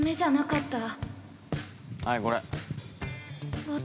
はい、これ。